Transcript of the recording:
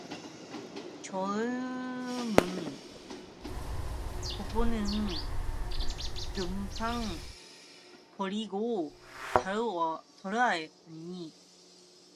젊은 부부는 금방 버리고 달아나려던 어린애를 생각했습니다.